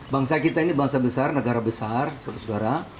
bangsa kita ini bangsa besar negara besar saudara saudara